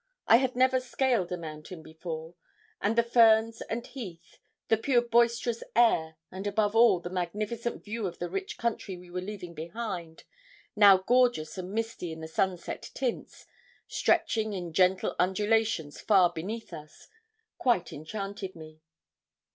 I had never scaled a mountain before, and the ferns and heath, the pure boisterous air, and above all the magnificent view of the rich country we were leaving behind, now gorgeous and misty in sunset tints, stretching in gentle undulations far beneath us, quite enchanted me.